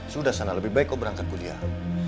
sudah sana lebih baik kau berangkat kuliah